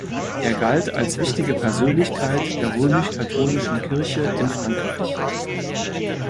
Er galt als wichtige Persönlichkeit der römisch-katholischen Kirche in Frankreich.